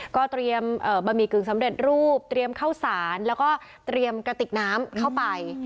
ก็เตรียมบะหมี่กึ่งสำเร็จรูปเตรียมข้าวสารแล้วก็เตรียมกระติกน้ำเข้าไป